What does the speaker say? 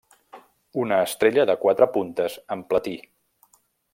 Una estrella de quatre puntes en platí.